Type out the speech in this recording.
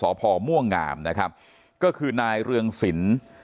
พ่อม่วงงามนะครับก็คือนายเรืองศิลป์